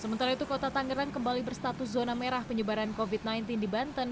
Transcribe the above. sementara itu kota tangerang kembali berstatus zona merah penyebaran covid sembilan belas di banten